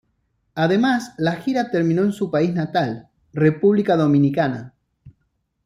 Además, la gira terminó en su país natal, República Dominicana.